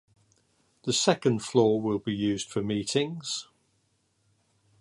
The second floor will be used for meetings.